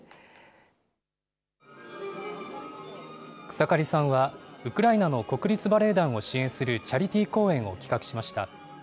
草刈さんはウクライナの国立バレエ団を支援するチャリティー公演を企画しました。